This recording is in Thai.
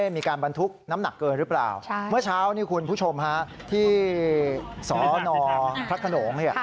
มีการบรรทุกน้ำหนักเกินหรือเปล่าเมื่อเช้านี่คุณผู้ชมฮะที่สนพระขนง